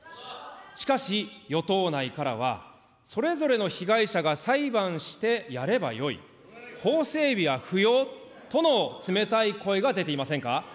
しかし、与党内からはそれぞれの被害者が裁判してやればよい、法整備は不要との冷たい声が出ていませんか。